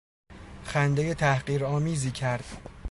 خندهی تحقیر آمیزی کرد.